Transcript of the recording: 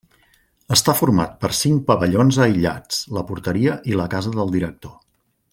Està format per cinc pavellons aïllats, la porteria i la casa del director.